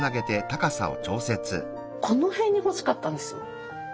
この辺に欲しかったんです。